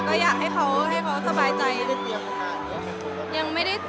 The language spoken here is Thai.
ก็อยากให้เขาสบายใจ